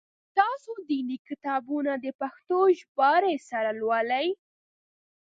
تاسو دیني کتابونه د پښتو ژباړي سره لولی؟